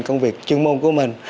công việc chuyên môn của mình